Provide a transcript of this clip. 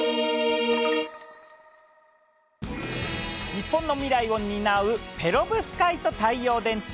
日本の未来を担うペロブスカイト太陽電池。